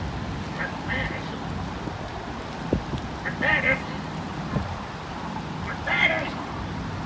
McManus routinely competes in Pro-Am golf events.